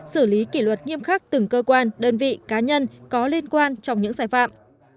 xử lý kỷ luật nghiêm khắc từng cơ quan đơn vị cá nhân có liên quan trong những sai phạm